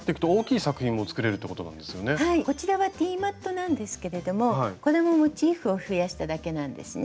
こちらはティーマットなんですけれどもこれもモチーフを増やしただけなんですね。